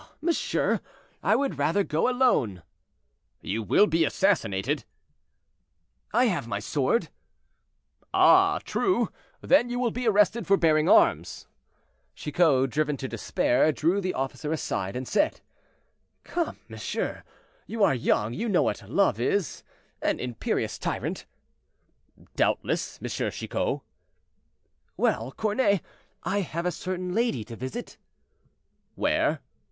"Oh, monsieur, I would rather go alone." "You will be assassinated." "I have my sword." "Ah, true; then you will be arrested for bearing arms." Chicot, driven to despair, drew the officer aside, and said: "Come, monsieur, you are young; you know what love is—an imperious tyrant." "Doubtless, M. Chicot." "Well, cornet, I have a certain lady to visit." "Where?"